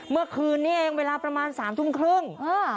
เมื่อคืนนี้เองเวลาประมาณ๓ทุ่มครึ่ง